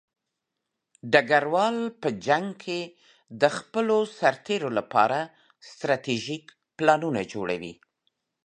ډګروال په جنګ کې د خپلو سرتېرو لپاره ستراتیژیک پلانونه جوړوي.